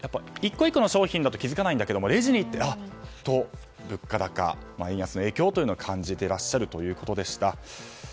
１個１個の商品だと気付かないんだけどレジに行って物価高、円安の影響を感じていらっしゃるということでした。